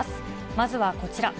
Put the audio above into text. まずはこちら。